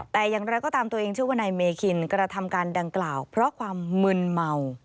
แต่อย่างไรก็ตามตัวเองชื่อว่านายเมคินกระทำการดังกล่าวเพราะความมึนเมา